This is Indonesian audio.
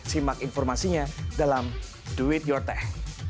simak informasinya dalam do it your tech